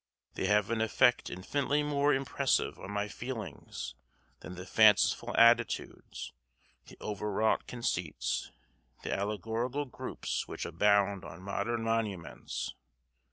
They have an effect infinitely more impressive on my feelings than the fanciful attitudes, the over wrought conceits, the allegorical groups which abound on modern monuments.